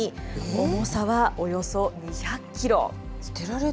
重さはおよそ２００キロ。